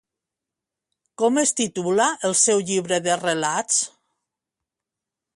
Com es titula el seu llibre de relats?